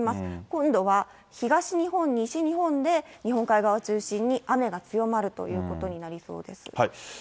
今度は東日本、西日本で日本海側を中心に雨が強まるということになりそうです。